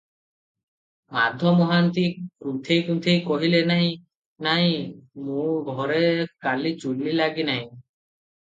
ମାଧମହାନ୍ତି କୁନ୍ଥେଇ କୁନ୍ଥେଇ କହିଲେ, "ନାହିଁ, ନାହିଁ, ମୋ ଘରେ କାଲି ଚୁଲୀ ଲାଗି ନାହିଁ ।"